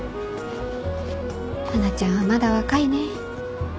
華ちゃんはまだ若いね。